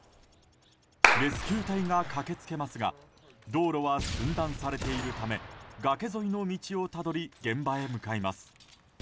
レスキュー隊が駆け付けますが道路は寸断されているため崖沿いの道をたどり現場へ向かいます。